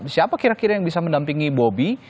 siapa kira kira yang bisa mendampingi bobi